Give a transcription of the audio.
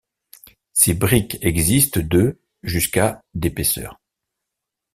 Ces briques existent de jusqu'à d'épaisseur.